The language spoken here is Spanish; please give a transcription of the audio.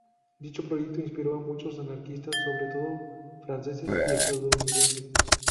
Dicho proyecto inspiró a muchos anarquistas, sobre todo franceses y estadounidenses.